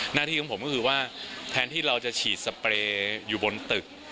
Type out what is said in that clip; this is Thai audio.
หน้าที่ของผมก็คือว่าแทนที่เราจะฉีดสเปรย์อยู่บนตึก